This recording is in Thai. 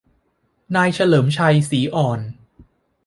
นายเฉลิมชัย ศรีอ่อน